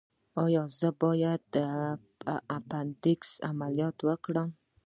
ایا زه باید د اپنډکس عملیات وکړم؟